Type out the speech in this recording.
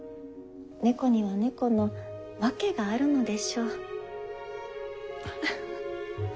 猫には猫の訳があるのでしょう。